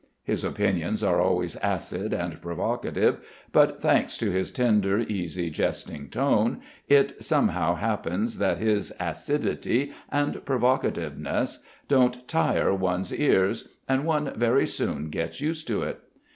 His opinions are always acid and provocative, but thanks to his tender, easy, jesting tone, it somehow happens that his acidity and provocativeness don't tire one's ears, and one very soon gets used to it.